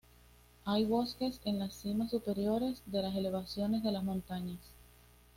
Hay bosques en las cimas superiores de las elevaciones de las montañas.